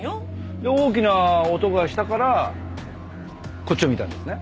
で大きな音がしたからこっちを見たんですね？